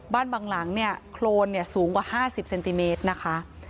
บ้านบางหลังเนี่ยโครนเนี่ยสูงกว่าห้าสิบเซนติเมตรนะคะ